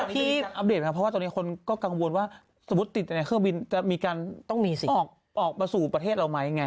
เพราะว่าตอนนี้คนก็กังวลว่าสมมุติติดในเครื่องบินจะมีการออกมาสู่ประเทศเราไหม